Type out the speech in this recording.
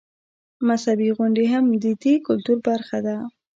مذهبي غونډې هم د دې کلتور برخه ده.